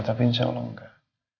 tapi insya allah enggak